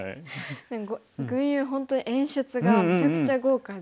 群遊本当に演出がめちゃくちゃ豪華で。